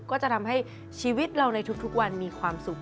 ก็จะทำให้ชีวิตเราในทุกวันมีความสุข